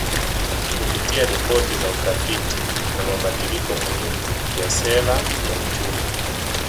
Kupitia ripoti za utafiti na mabadiliko muhimu ya Sera ya Uchumi